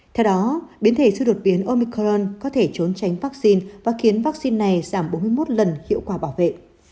theo đó biến thể chưa đột biến omicron có thể trốn tránh vaccine và khiến vaccine này giảm bốn mươi một lần hiệu quả bảo vệ